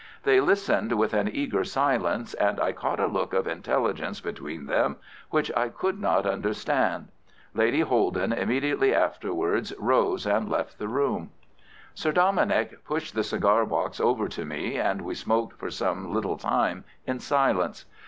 They listened with an eager silence, and I caught a look of intelligence between them which I could not understand. Lady Holden immediately afterwards rose and left the room. Sir Dominick pushed the cigar box over to me, and we smoked for some little time in silence.